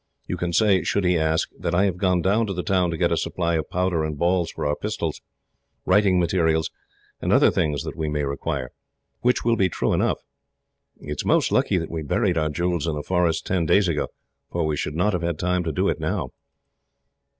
You can say, should he ask, that I have gone down to the town to get a supply of powder and ball for our pistols, writing materials, and other things that we may require; which will be true enough. It is most lucky that we buried our jewels in the forest, ten days ago, for we should not have had time to do it, now."